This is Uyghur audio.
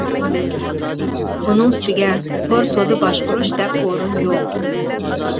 ئۇنىڭ ئۈستىگە تور سودا باشقۇرۇش دەپ ئورۇن يوق.